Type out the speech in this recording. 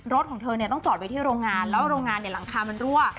รถของเธอเนี่ยต้องจอดไว้ที่โรงงานแล้วโรงงานเนี่ยหลังคามันรั่ว